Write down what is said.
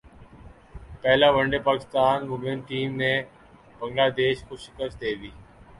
پہلا one day Pakistan women team نے Bangladesh کو شکست دے دی